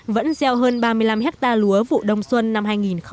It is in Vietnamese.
vẫn gieo hơn ba mươi năm hectare lúa vụ đông xuân năm hai nghìn một mươi chín